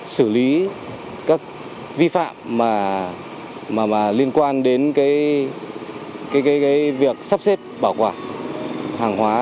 xử lý các vi phạm liên quan đến việc sắp xếp bảo quản hàng hóa